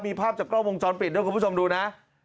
มีภาพจากกล้องวงจรปิดด้วยคุณผู้ชมดูนะ